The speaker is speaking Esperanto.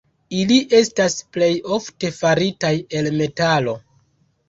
Ili estas plej ofte faritaj el metalo.